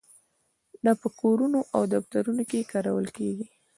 دا په کورونو او دفترونو کې کارول کیږي.